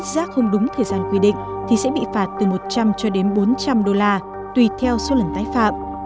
rác không đúng thời gian quy định thì sẽ bị phạt từ một trăm linh cho đến bốn trăm linh đô la tùy theo số lần tái phạm